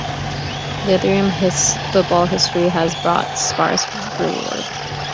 Leitrim's football history has brought sparse reward.